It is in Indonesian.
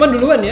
maaf duluan ya